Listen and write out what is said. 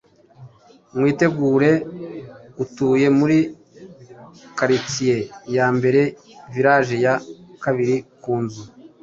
Mwitegure utuye muri karitsiye ya mbere vilaje ya kabiri ku nzu